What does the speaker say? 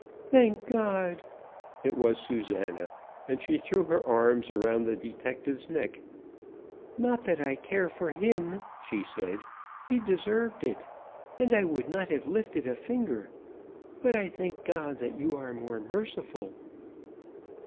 "Thank God!" It was Susana, and she threw her arms around the detective's neck. "Not that I care for him," she said; "he deserved it, and I would not have lifted a finger; but I thank God that you are more merciful!"